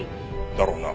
だろうな。